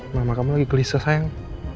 mama kamu lagi gelisah sayang